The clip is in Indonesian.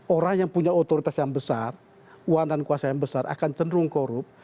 orang yang punya otoritas yang besar uang dan kuasa yang besar akan cenderung korup